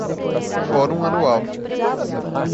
Fórum Anual